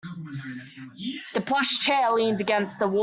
The plush chair leaned against the wall.